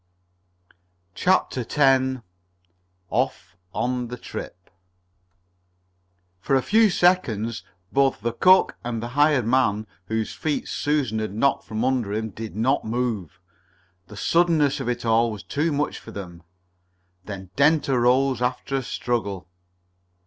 CHAPTER X OFF ON THE TRIP For a few seconds both the cook and the hired man, whose feet Susan had knocked from under him, did not move. The suddenness of it all was too much for them. Then Dent arose after a struggle.